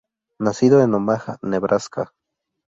Nacido en Omaha, Nebraska.